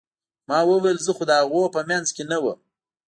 ما وويل زه خو د هغوى په منځ کښې نه وم.